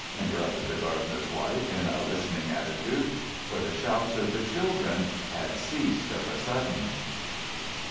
interrupted the gardener's wife, in a listening attitude; for the shouts of the children had ceased of a sudden.